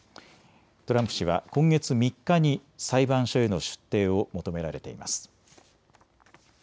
トランプ氏は今月３日に裁判所への出廷を求められています。